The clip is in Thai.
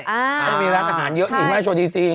ไม่มีร้านอาหารเยอะอีกมาให้โชว์ดีซี